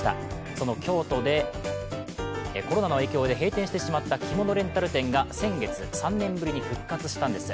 その京都で、コロナ禍の影響で閉店してしまった着物レンタル店が先月、３年ぶりに復活したんです。